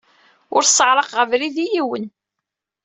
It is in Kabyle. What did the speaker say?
Ur sseɛraqeɣ abrid i yiwen.